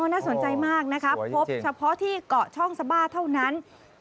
น่าสนใจมากนะครับพบเฉพาะที่เกาะช่องสบาเท่านั้น